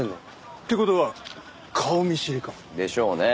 って事は顔見知りか？でしょうね。